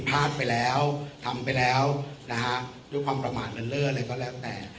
พาดไปแล้วทำไปแล้วด้วยความประมาณเลิศอะไรก็แล้วแต่